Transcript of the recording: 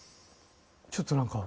ちょっとなんか。